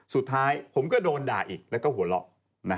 สุดท้ายผมก็โดนด่าอีกแล้วก็หัวเราะ